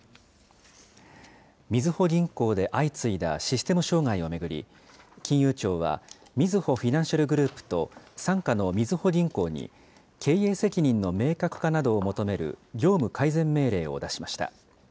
みずほ銀行で相次いだシステム障害を巡り、金融庁はみずほフィナンシャルグループと傘下のみずほ銀行に、経営責任の明確化などを求める業務改善命令を出しました。